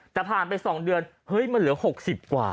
แต่ผ่านไป๒เดือนเฮ้ยมันเหลือ๖๐กว่า